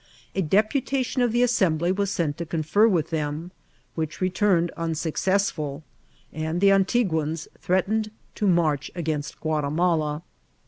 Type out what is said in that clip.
A depu* tation of the Assembly was sent to confer with them, which returned unsuccessful, and the AntiguaiM threat ened to march against Guatimala.